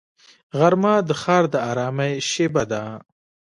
غرمه د ښار د ارامۍ شیبه ده